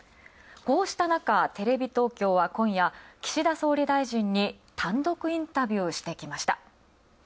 こうしたなかテレビ東京は今夜、岸田総理に単独インタビューしてきました。